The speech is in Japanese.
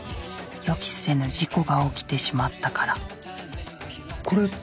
予期せぬ事故が起きてしまったからこれ。